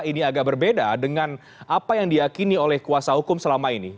ini agak berbeda dengan apa yang diakini oleh kuasa hukum selama ini